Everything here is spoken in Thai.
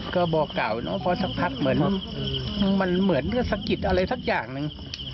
ก็บอกกล่าวเนาะเพราะสักพักเหมือนมันเหมือนก็สะกิดอะไรสักอย่างหนึ่ง